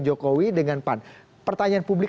jokowi dengan pan pertanyaan publik